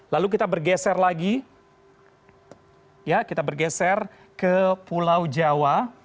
lalu kita bergeser lagi ya kita bergeser ke pulau jawa